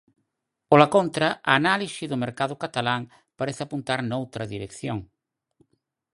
Pola contra, a análise do mercado catalán parece apuntar noutra dirección.